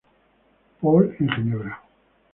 Paul, en Ginebra.